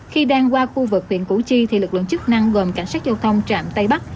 khi đang qua khu vực huyện củ chi thì lực lượng chức năng gồm cảnh sát giao thông trạm tây bắc